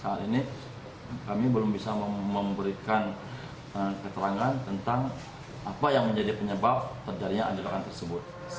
saat ini kami belum bisa memberikan keterangan tentang apa yang menjadi penyebab terjadinya anjlokan tersebut